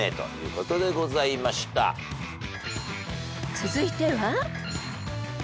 ［続いては］